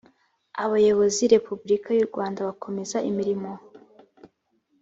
abayobozi repubulika y u rwanda bakomeza imirimo